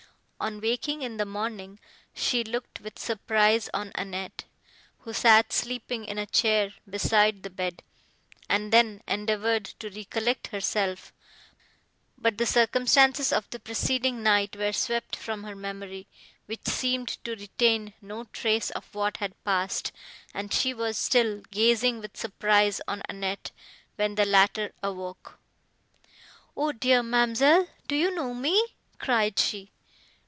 On waking in the morning, she looked with surprise on Annette, who sat sleeping in a chair beside the bed, and then endeavoured to recollect herself; but the circumstances of the preceding night were swept from her memory, which seemed to retain no trace of what had passed, and she was still gazing with surprise on Annette, when the latter awoke. "O dear ma'amselle! do you know me?" cried she.